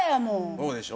そうでしょ？